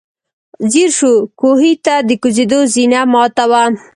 ځير شو، کوهي ته د کوزېدو زينه ماته وه.